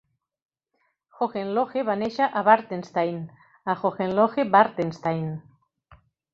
Hohenlohe va néixer a Bartenstein, a Hohenlohe-Bartenstein.